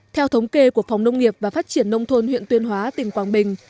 theo thống kê của phòng nông nghiệp và phát triển nông thôn huyện tuyên hóa tỉnh quảng bình